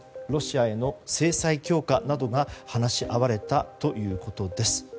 ロシアへの制裁強化などが話し合われたということです。